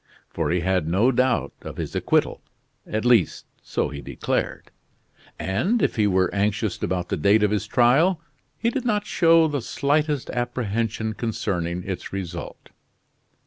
For he had no doubt of his acquittal; at least, so he declared; and if he were anxious about the date of his trial, he did not show the slightest apprehension concerning its result.